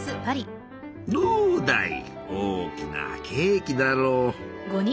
どうだい大きなケーキだろう！